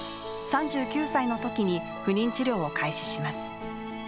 ３９歳のときに、不妊治療を開始します。